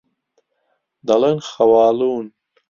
دەڵێن خەواڵوون.